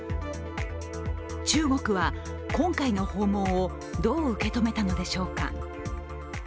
中国は今回の訪問をどう受け止めたのでしょうか。